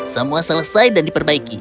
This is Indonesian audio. semua selesai dan diperbaiki